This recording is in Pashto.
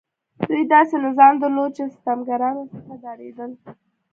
دوی داسې نظام درلود چې ستمګران ورڅخه ډارېدل.